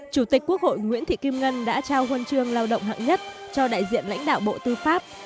chủ tịch quốc hội nguyễn thị kim ngân đã trao huân chương lao động hạng nhất cho đại diện lãnh đạo bộ tư pháp